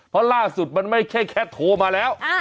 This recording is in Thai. เพราะล่าสุดมันไม่ใช่แค่โทรมาแล้ว